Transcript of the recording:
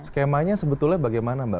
skemanya sebetulnya bagaimana mbak